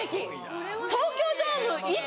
東京ドーム１．。